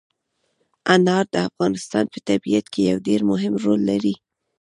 انار د افغانستان په طبیعت کې یو ډېر مهم رول لري.